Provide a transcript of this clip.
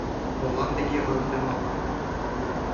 Молан тыге ойыртемалте?